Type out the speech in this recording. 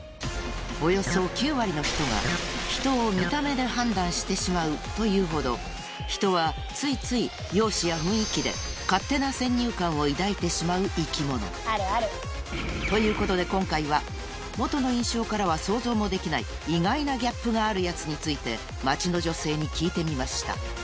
およそ９割の人がというほど人はついつい容姿や雰囲気で勝手な先入観を抱いてしまう生き物ということで今回は元の印象からは想像もできない意外なギャップがあるヤツについて街の女性に聞いてみました